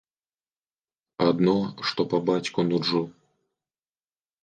Адно, што па бацьку нуджу.